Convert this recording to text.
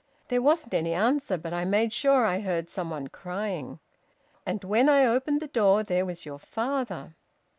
There wasn't any answer, but I made sure I heard some one crying. And when I opened the door, there was your father.